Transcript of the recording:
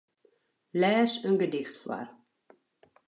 Lês in gedicht foar.